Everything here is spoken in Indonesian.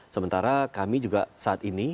sementara kami juga saat ini